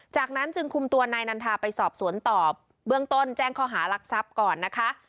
จากนั้นจึงคุมตัวนายนันทาไปสอบสวนต่อเบื้องต้นแจ้งข้อหารักทรัพย์ก่อนนะคะ